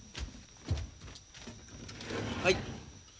はい。